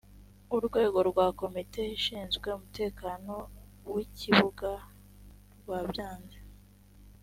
urwego rwa komite ishinzwe umutekano w’ ikibuga rwabyanze